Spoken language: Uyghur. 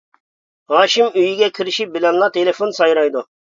ھاشىم ئۆيگە كىرىشى بىلەنلا تېلېفون سايرايدۇ.